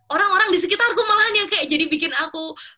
orang orang di sekitar gue malahan yang kayak jadi bikin aku